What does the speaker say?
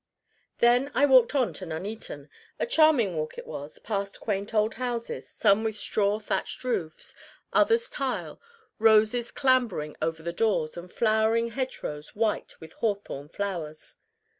Then I walked on to Nuneaton. A charming walk it was; past quaint old houses, some with straw thatched roofs, others tile roses clambering over the doors and flowering hedgerows white with hawthorn flowers.